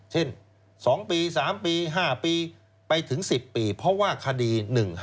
๒ปี๓ปี๕ปีไปถึง๑๐ปีเพราะว่าคดี๑๕